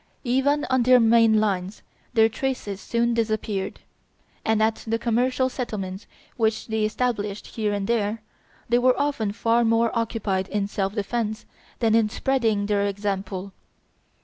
Even on their main lines their traces soon disappeared; and at the commercial settlements which they established here and there they were often far more occupied in self defence than in spreading their example.